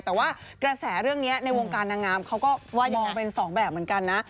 แต่ว่ากระแสเรื่องนี้ในวงการนางงามเขาก็มองเป็นสองแบบเหมือนกันนะ